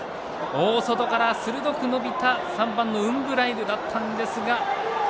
大外から鋭く伸びた３番のウンブライルだったんですが。